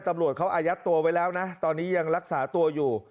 ตำรวจเขาอายัดตัวไว้แล้วนะตอนนี้ยังรักษาตัวอยู่